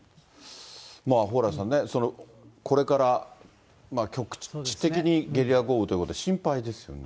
蓬莱さんね、これから局地的にゲリラ豪雨ということで、心配ですよね。